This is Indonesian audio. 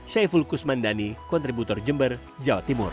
saiful kusmandani kontributor jember jawa timur